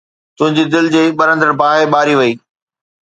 تنهنجي دل جي ٻرندڙ باهه ٻاري وئي